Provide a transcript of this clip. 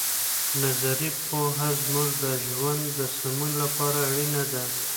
نظري پوهه زموږ د ژوند د سمون لپاره اړینه ده.